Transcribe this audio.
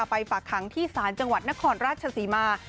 ฝากขังที่ศาลจังหวัดนครราชศรีมา